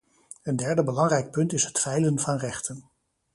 Een derde belangrijk punt is het veilen van rechten.